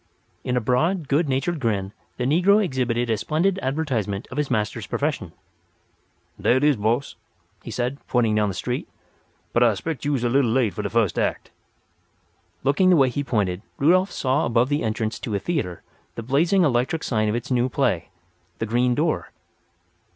In a broad, good natured grin the negro exhibited a splendid advertisement of his master's profession. "Dar it is, boss," he said, pointing down the street. "But I 'spect you is a little late for de fust act." Looking the way he pointed Rudolf saw above the entrance to a theatre the blazing electric sign of its new play, "The Green Door."